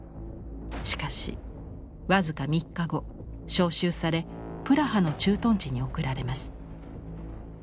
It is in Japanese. しかし僅か３日後招集されプラハの駐屯地に送られます。